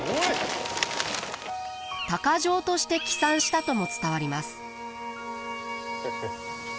鷹匠として帰参したとも伝わります。